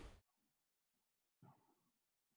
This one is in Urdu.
پچھلے اڑتالیس سالہ میں فوج بہت بدلہ چک ہے